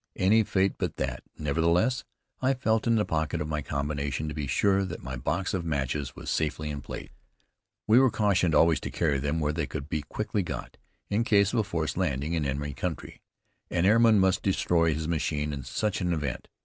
Any fate but that. Nevertheless, I felt in the pocket of my combination, to be sure that my box of matches was safely in place. We were cautioned always to carry them where they could be quickly got at in case of a forced landing in enemy country. An airman must destroy his machine in such an event.